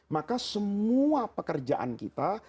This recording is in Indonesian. maka semua pekerjaan kita